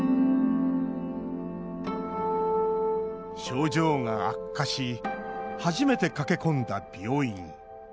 症状が悪化し初めて駆け込んだ病院。